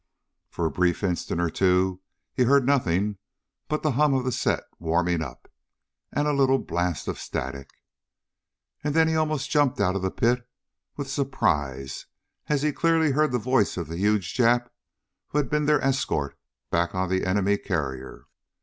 For a brief instant or two he heard nothing but the hum of the set warming up, and a little blast of static. And then he almost jumped out of the pit with surprise as he clearly heard the voice of the huge Jap who had been their "escort" back on the enemy carrier.